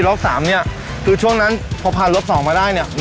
รอบสามเนี่ยช่วงนั้นพอพันรถสองมาได้เนี่ย